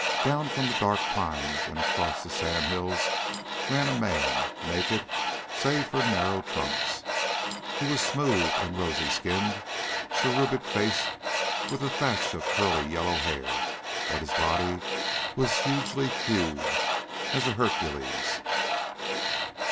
Down from the dark pines and across the sandhills ran a man, naked save for narrow trunks. He was smooth and rosy skinned, cherubic faced, with a thatch of curly yellow hair, but his body was hugely thewed as a Hercules'.